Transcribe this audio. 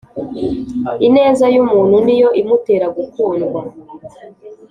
Ineza yumuntu niyo imutera gukundwa